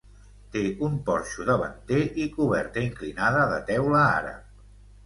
Té un porxo davanter i coberta inclinada de teula àrab.